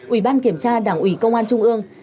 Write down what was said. ủy ban kiểm tra đảng ủy công an trung ương